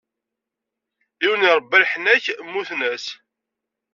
Yiwen irebba leḥnak, mmuten-as.